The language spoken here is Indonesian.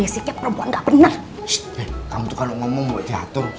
sumpah mati kau rusak jiwa aku